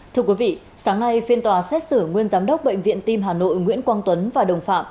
thưa quý vị sáng nay phiên tòa xét xử nguyên giám đốc bệnh viện tim hà nội nguyễn quang tuấn và đồng phạm